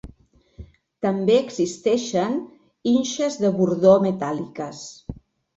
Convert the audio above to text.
També existeixen inxes de bordó metàl·liques.